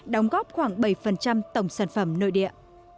đóng góp khoảng bảy tổng sản phẩm nội địa